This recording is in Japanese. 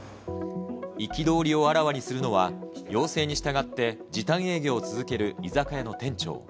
憤りをあらわにするのは、要請に従って時短営業を続ける居酒屋の店長。